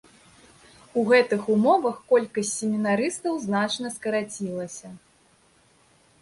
У гэтых умовах колькасць семінарыстаў значна скарацілася.